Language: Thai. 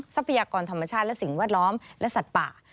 ทรัพยากรธรรมชาติและสิ่งแวดล้อมและสัตว์ป่า